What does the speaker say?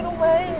ke arah wm dsk